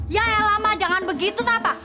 ya ella mbak jangan begitu napa